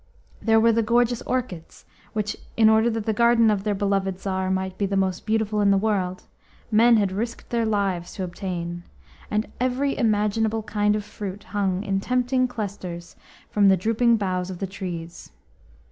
There were the gorgeous orchids which, in order that the garden of their beloved Tsar might be the most beautiful in the world, men had risked their lives to obtain, and every imaginable kind of fruit hung in tempting clusters from the drooping boughs of the trees.